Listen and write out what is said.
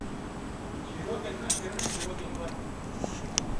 çîrokên me kirinin çîrokên xwe